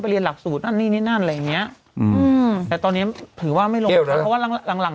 เรียนหลักสูตรนั่นนี่นี่นั่นอะไรอย่างเงี้ยอืมแต่ตอนนี้ถือว่าไม่ลงแล้วเพราะว่าหลังหลัง